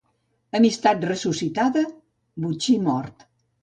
Amistat ressuscitada, botxí mort.